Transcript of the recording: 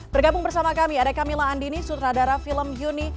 bergabung bersama kami ada camilla andini sutradara film yuni